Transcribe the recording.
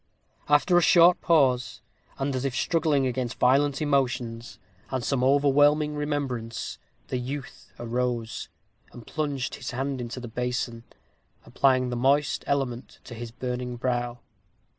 After a short pause, and as if struggling against violent emotions, and some overwhelming remembrance, the youth arose, and plunged his hand into the basin, applying the moist element to his burning brow.